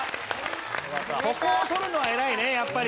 ここを取るのは偉いねやっぱり。